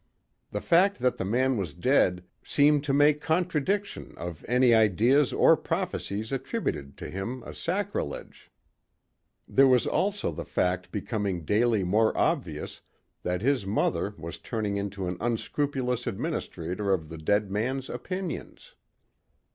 The fact that the man was dead seemed to make contradiction of any ideas or prophecies attributed to him a sacrilege. There was also the fact becoming daily more obvious that his mother was turning into an unscrupulous administrator of the dead man's opinions.